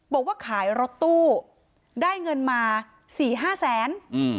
บอกว่าขายรถตู้ได้เงินมา๔๕แสน